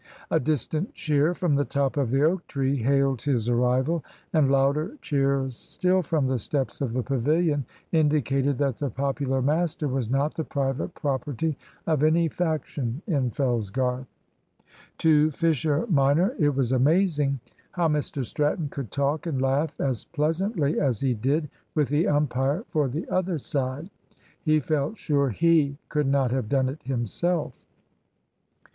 A distant cheer from the top of the oak tree hailed his arrival, and louder cheers still from the steps of the pavilion indicated that the popular master was not the private property of any faction in Fellsgarth. To Fisher minor it was amazing how Mr Stratton could talk and laugh as pleasantly as he did with the umpire for the other side. He felt sure he could not have done it himself.